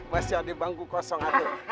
masih ada bangku kosong